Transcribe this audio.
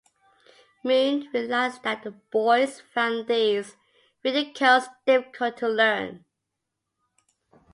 Moon realised that the boys found these reading codes difficult to learn.